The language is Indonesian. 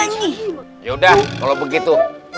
yaudah kalau begitu